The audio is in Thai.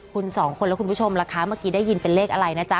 คุณสองคนและคุณผู้ชมล่ะคะเมื่อกี้ได้ยินเป็นเลขอะไรนะจ๊